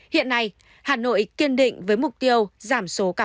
hiện nay hà nội kiên định với mục tiêu giảm số ca